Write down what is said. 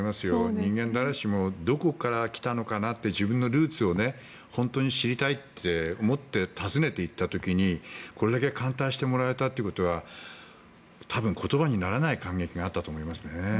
人間、誰しもどこから来たのかと自分のルーツを知りたいと思って訪ねて行ったときにこれだけ歓待してもらえたということは多分、言葉にならない感激があったと思います。